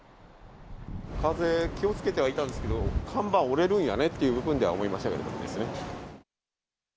風、気をつけてはいたんですけど、看板、折れるんやねという部分では思いましたね。